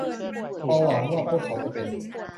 พอลหวังว่าพวกเขาจะเป็น